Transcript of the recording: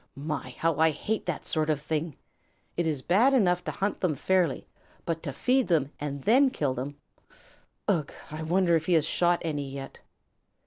My, how I hate that sort of thing! It is bad enough to hunt them fairly, but to feed them and then kill them ugh! I wonder if he has shot any yet."